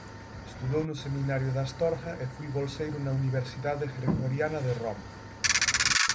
Estudou no seminario de Astorga e foi bolseiro na Universidade Gregoriana de Roma.